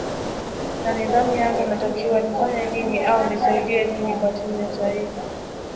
na nidhamu yangu natakiwa nifanye nini au nisaidie nini kwa timu ya taifa